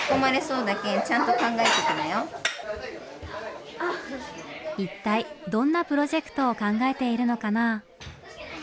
ここちょっと一体どんなプロジェクトを考えているのかな。